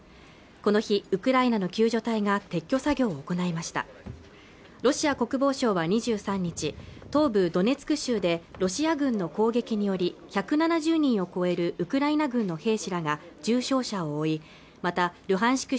この日ウクライナの救助隊が撤去作業を行いましたロシア国防省は２３日東部ドネツク州でロシア軍の攻撃により１７０人を超えるウクライナ軍の兵士らが重傷を負いまたルハンシク